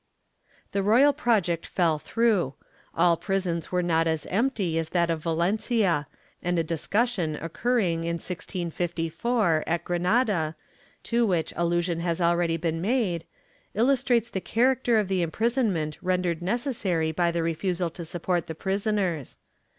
^ The royal project fell through. All prisons were not as empty as that of Valencia and a discussion occurring, in 1654, at Granada, to which allusion has already been made, illustrates the character of the imprisonment rendered necessary by the refusal to support the prisoners.